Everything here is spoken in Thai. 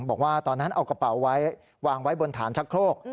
บอกว่าตอนนั้นเอากระเป๋าไว้วางไว้บนฐานชักโครก